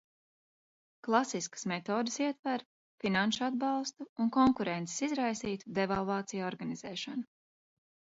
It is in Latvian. Klasiskas metodes ietver finanšu atbalstu un konkurences izraisītu devalvāciju organizēšanu.